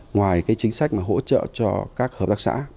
ngoài cái chính sách mà hỗ trợ cho các hợp tác xã